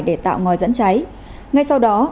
để tạo ngòi dẫn cháy ngay sau đó